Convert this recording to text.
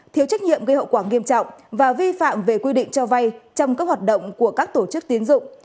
thiếu trách nhiệm gây hậu quả nghiêm trọng và vi phạm về quy định cho vay trong các hoạt động của các tổ chức tiến dụng